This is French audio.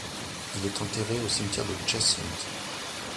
Il est enterré au cimetière de Cheshunt.